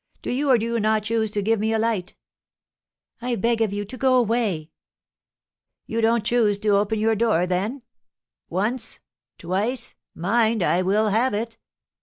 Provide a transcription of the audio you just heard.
Do you or do you not choose to give me a light?" "I beg of you to go away." "You don't choose to open your door, then? Once, twice, mind, I will have it."